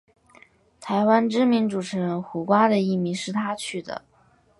台湾知名主持人胡瓜的艺名是他取的。